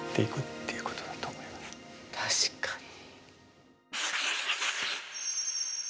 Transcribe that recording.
確かに。